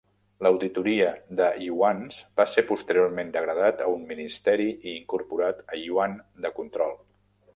L'auditoria de iuans va ser posteriorment degradat a un Ministeri i incorporat a Yuan de control.